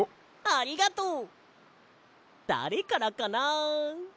ありがとう！だれからかな。